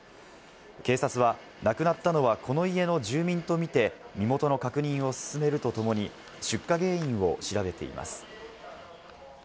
警察は亡くなったのはこの家の住民とみて身元の確認を進めるとともに出火原因を調べています。